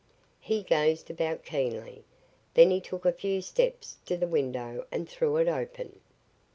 He gazed about keenly. Then he took a few steps to the window and threw it open.